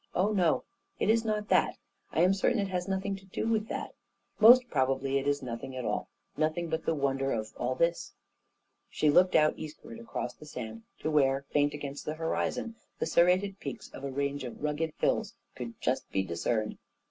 " Oh, no ; it is not that 1 I am certain it has noth ing to do with that 1 Most probably, it is nothing at all — nothing but the wonder of all this." She looked out eastward across the sand to where, faint against the horizon, the serrated peaks of a range of rugged hills could just be discerned.